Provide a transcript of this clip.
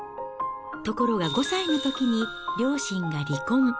ところが５歳のときに両親が離婚。